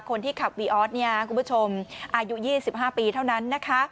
คนที่ขับวิออสคุณผู้ชมอายุ๒๕ปีเท่านั้น